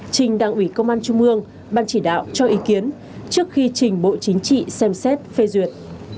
trình đảng ủy công an trung ương ban chỉ đạo cho ý kiến trước khi trình bộ chính trị xem xét phê duyệt